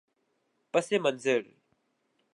پس منظر